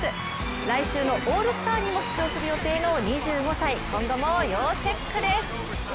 来週のオールスターにも出場する予定の２５歳、今後も要チェックです。